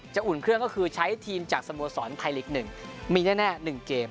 จะอุ่นเครื่องก็คือใช้ทีมจากสโมสรไพลิกหนึ่งมีแน่หนึ่งเกม